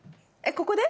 ここで？